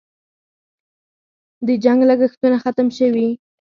د جنګ لګښتونه ختم شوي؟